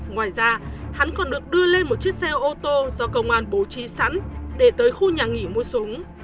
ngoài ra hắn còn được đưa lên một chiếc xe ô tô do công an bố trí sẵn để tới khu nhà nghỉ mua súng